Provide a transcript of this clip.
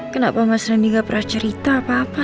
kenapa mas randi gak pernah cerita apa apa